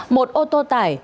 một ô tô tải